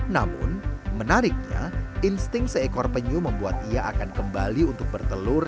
namun menariknya insting seekor penyu membuat ia akan kembali untuk bertelur